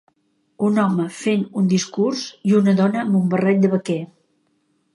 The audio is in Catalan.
Un home fent un discurs, i una dona amb un barret de vaquer.